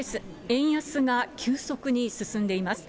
円安が急速に進んでいます。